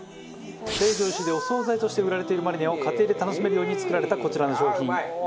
成城石井でお惣菜として売られているマリネを家庭で楽しめるように作られたこちらの商品。